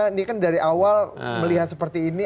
ini kan dari awal melihat seperti ini